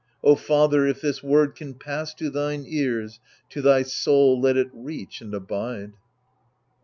O father, if this word can pass to thine ears, To thy soul let it reach and abide